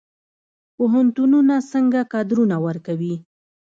پوهنتونونه څنګه کادرونه ورکوي؟